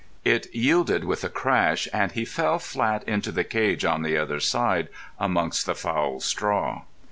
It yielded with a crash, and he fell flat into the cage on the other side, amongst the foul straw.